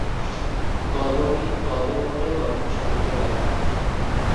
গল্পটি "গল্পের মধ্যে গল্প" শৈলীতে লেখা।